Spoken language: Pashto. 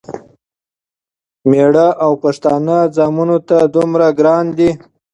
مېړه او پښتانه ځامنو ته دومره ګران دی،